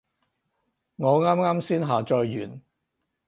我啱啱先下載完